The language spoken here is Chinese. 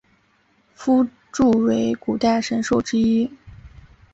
夫诸为古代神兽之一。